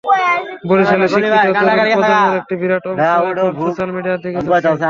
বরিশালের শিক্ষিত তরুণ প্রজন্মের একটি বিরাট অংশ এখন সোশ্যাল মিডিয়ার দিকে ঝুঁকছে।